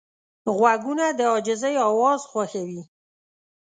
غوږونه د عاجزۍ اواز خوښوي